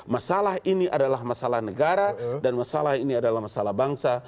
masalah ini adalah masalah negara dan masalah ini adalah masalah bangsa